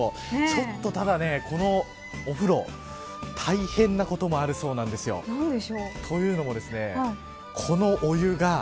ちょっと、このお風呂大変なこともあるそうです。というのもですねこのお湯が。